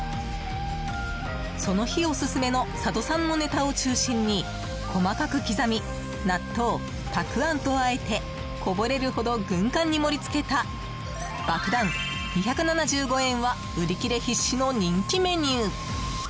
その日オススメの佐渡産のネタを中心に細かく刻み納豆、たくあんとあえてこぼれるほど軍艦に盛り付けたばくだん２７５円は売り切れ必至の人気メニュー！